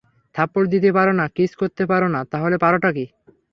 থাপ্পড় দিতে পারো না, কিস করতে পারো না, তাহলে পারো টা কি?